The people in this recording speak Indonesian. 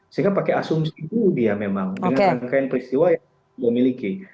sehingga pakai asumsi itu dia memang dengan rangkaian peristiwa yang dia miliki